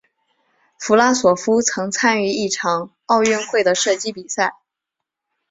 弗拉索夫曾参与一届奥运会的射击比赛。